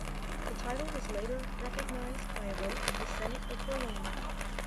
The title was later recognised by a vote of the Senate of Berlin.